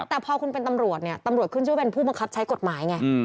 แต่พอเป็นเป็นตำรวจตำรวจก็ดูเป็นผู้ประครับใช้กฎหมายไง